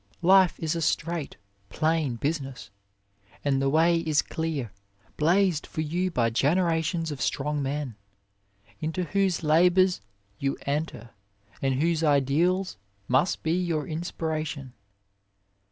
Life is a straight, plain business, and the way is clear, blazed for you by generations of strong men, into whose labours you enter and whose ideals must be your inspiration.